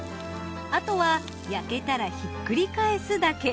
あとは焼けたらひっくり返すだけ。